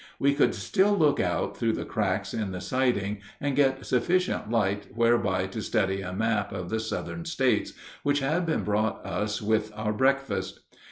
We could still look out through the cracks in the siding and get sufficient light whereby to study a map of the Southern States, which had been brought us with our breakfast.